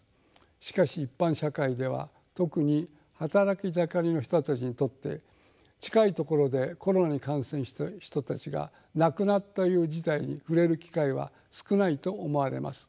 しかし一般社会では特に働き盛りの人たちにとって近いところでコロナに感染した人たちが亡くなったという事態に触れる機会は少ないと思われます。